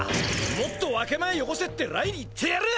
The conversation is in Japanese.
もっと分け前よこせってライに言ってやる！